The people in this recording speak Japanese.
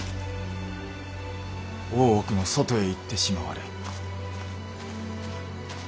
大奥の外へ行ってしまわれ。